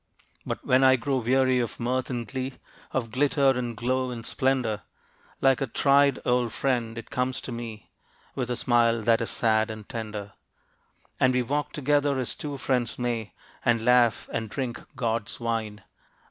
But when I grow weary of mirth and glee, Of glitter, and glow, and splendor, Like a tried old friend it comes to me, With a smile that is sad and tender. And we walk together as two friends may, And laugh, and drink God's wine.